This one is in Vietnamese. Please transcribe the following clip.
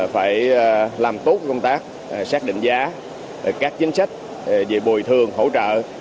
phải làm tốt công tác xác định giá các chính sách về bồi thường hỗ trợ